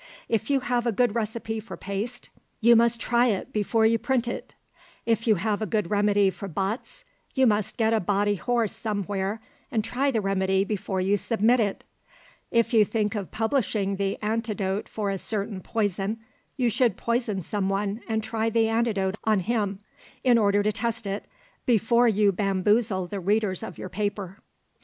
If you have a good recipe for paste, you must try it before you print it. If you have a good remedy for botts, you must get a botty horse somewhere and try the remedy before you submit it. If you think of publishing the antidote for a certain poison, you should poison some one and try the antidote on him, in order to test it, before you bamboozle the readers of your paper.